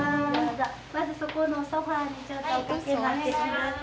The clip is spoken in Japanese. まずそこのソファーにちょっとおかけになってください